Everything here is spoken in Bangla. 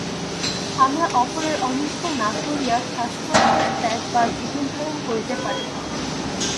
আমরা অপরের অনিষ্ট না করিয়া শ্বাসপ্রশ্বাস ত্যাগ বা জীবনধারণ করিতে পারি না।